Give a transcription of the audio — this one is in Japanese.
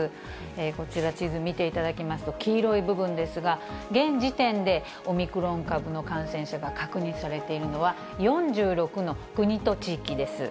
こちら、地図見ていただきますと、黄色い部分ですが、現時点でオミクロン株の感染者が確認されているのは、４６の国と地域です。